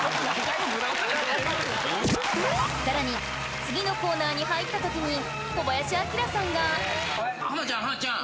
さらに次のコーナーに入った時に小林旭さんが浜ちゃん浜ちゃん。